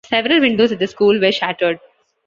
Several windows at the school were shattered.